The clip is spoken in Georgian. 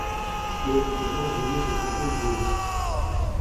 მიეკუთვნება ზულუს ეთნიკურ ჯგუფს.